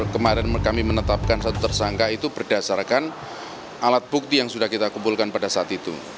kemarin kami menetapkan satu tersangka itu berdasarkan alat bukti yang sudah kita kumpulkan pada saat itu